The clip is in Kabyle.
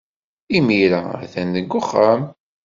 Imir-a, a-t-an deg uxxam.